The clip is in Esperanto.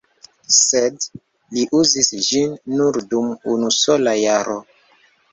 Sed li uzis ĝin nur dum unusola jaro.